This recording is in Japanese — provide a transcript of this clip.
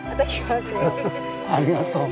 フフありがとう。